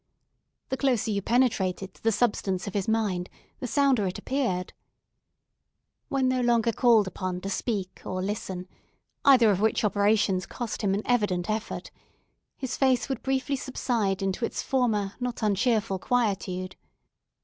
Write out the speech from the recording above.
The closer you penetrated to the substance of his mind, the sounder it appeared. When no longer called upon to speak or listen—either of which operations cost him an evident effort—his face would briefly subside into its former not uncheerful quietude.